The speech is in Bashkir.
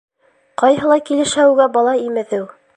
Ҡайһылай килешә уға бала имеҙеү!